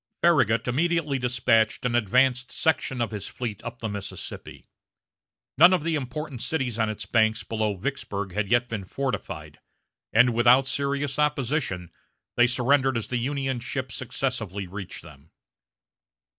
Farragut immediately despatched an advance section of his fleet up the Mississippi. None of the important cities on its banks below Vicksburg had yet been fortified, and, without serious opposition, they surrendered as the Union ships successively reached them.